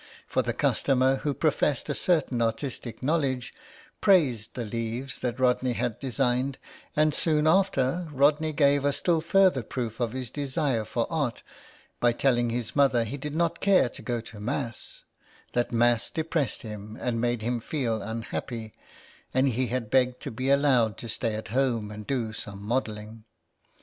For the customer, who professed a certain artistic knowledge, praised the leaves that Rodney had designed, and soon after Rodney gave a still further proof of his desire for art by telling his mother he did not care to go to Mass, that Mass depressed him and made him feel unhappy, and he had begged to be allowed to stay at home and do some modelling.